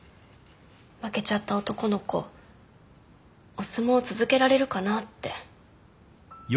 負けちゃった男の子お相撲続けられるかなって。